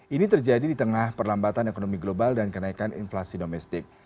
ini terjadi di tengah perlambatan ekonomi global dan kenaikan inflasi domestik